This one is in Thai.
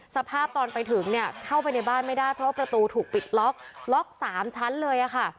สภาพตอนไปถึงเนี่ยเข้าไปในบ้านไม่ได้เพราะว่าประตูถูกปิดล็อกล็อก๓ชั้นเลยค่ะ